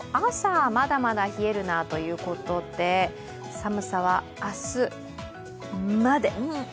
朝、まだまだ冷えるなということで寒さは明日まで。